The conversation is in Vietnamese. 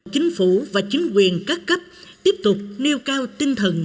chính phủ và chính quyền các cấp tiếp tục nêu cao tinh thần